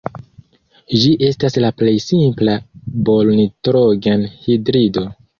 Ĝi estas la plej simpla bor-nitrogen-hidrido.